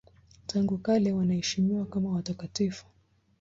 Tangu kale wanaheshimiwa kama watakatifu.